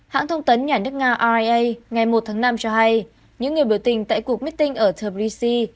hãng thông tấn nhà nước nga oray ngày một tháng năm cho hay những người biểu tình tại cuộc meeting ở therbishi